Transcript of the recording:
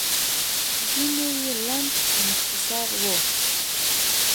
ځينې يې لنډ او مختصر وو.